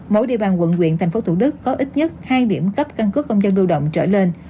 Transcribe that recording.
mỗi địa bàn quận quyện tp thủ đức có ít nhất hai điểm cấp căn cước công dân lưu động trở lên